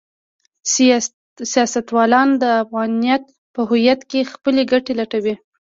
سیاستوالان د افغانیت په هویت کې خپلې ګټې لټوي.